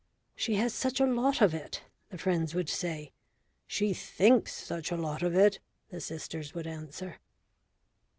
"She has such a lot of it," the friends would say. "She thinks such a lot of it," the sisters would answer.